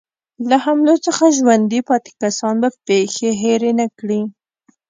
له حملو څخه ژوندي پاتې کسان به پېښې هېرې نه کړي.